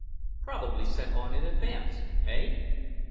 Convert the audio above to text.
"Probably sent on in advance, eh?"